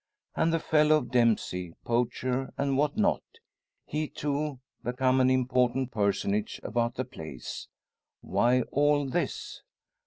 And the fellow Dempsey poacher, and what not he, too, become an important personage about the place! Why all this?